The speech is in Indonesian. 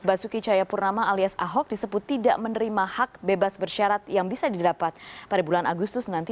basuki cahayapurnama alias ahok disebut tidak menerima hak bebas bersyarat yang bisa didapat pada bulan agustus nanti